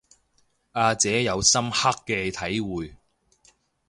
阿姐有深刻嘅體會